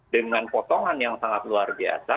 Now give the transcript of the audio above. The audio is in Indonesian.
dengan potongan yang sangat luar biasa